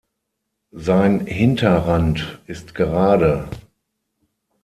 Sein Hinterrand ist gerade.